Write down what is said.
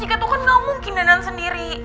jessica tuh kan gak mungkin dandan sendiri